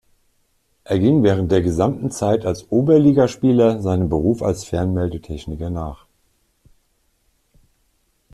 Er ging während der gesamten Zeit als Oberliga-Spieler seinem Beruf als Fernmeldetechniker nach.